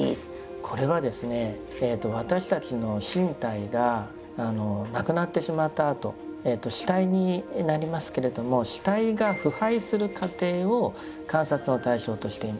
これはですね私たちの身体がなくなってしまったあと死体になりますけれども死体が腐敗する過程を観察の対象としています。